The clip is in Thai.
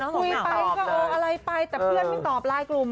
คุยไปก็เอออะไรไปแต่เพื่อนไม่ตอบไลน์กลุ่ม